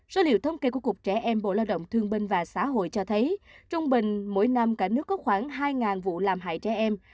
số liệu thống kê của cục trẻ em bộ lao động thương binh và xã hội cho thấy trung bình mỗi năm cả nước có khoảng hai vụ làm hại trẻ em